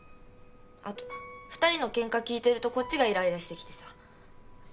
あと２人のケンカ聞いてるとこっちがいらいらしてきてさ。